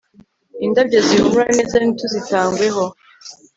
indabyo zihumura neza ntituzitangweho